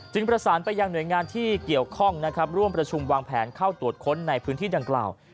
ประสานไปยังหน่วยงานที่เกี่ยวข้องนะครับร่วมประชุมวางแผนเข้าตรวจค้นในพื้นที่ดังกล่าว